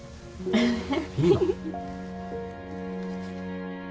フフフ。